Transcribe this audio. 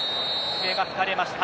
笛が吹かれました。